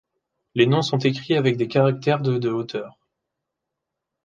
Les noms sont écrits avec des caractères de de hauteur.